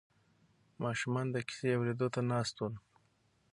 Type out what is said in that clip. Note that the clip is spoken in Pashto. ماشومان د کیسې اورېدو ته ناست ول.